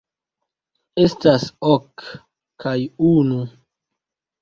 Estas ok, kaj unu.